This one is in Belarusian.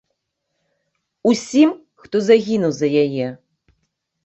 Усім, хто загінуў за яе.